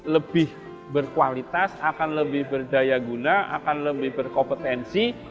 lebih berkualitas akan lebih berdaya guna akan lebih berkompetensi